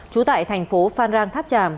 trú tại thành phố phan rang tháp tràm